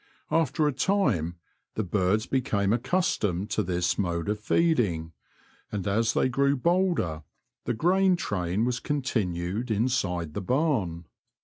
After a time the birds became aceustomed to this mode of feeding, and as they grew bolder the grain train was continued inside the barn.